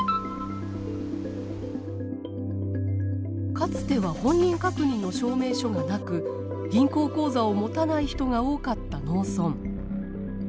かつては本人確認の証明書がなく銀行口座を持たない人が多かった農村。